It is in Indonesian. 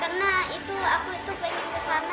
karena aku itu pengen ke sana jadi ya inggris aja